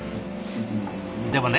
でもね